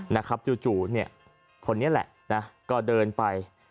นะครับจู่เนี่ยคนนี้แหละนะก็เดินไป